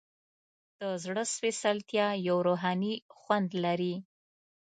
د زړه سپیڅلتیا یو روحاني خوند لري.